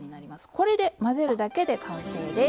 これで混ぜるだけで完成です。